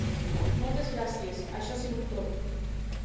Moltes gràcies, això ha sigut tot!